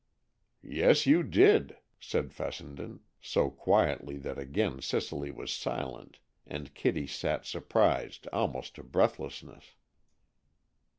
"Yes, you did," said Fessenden, so quietly that again Cicely was silent, and Kitty sat surprised almost to breathlessness.